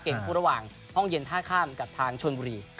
คู่ระหว่างห้องเย็นท่าข้ามกับทางชนบุรี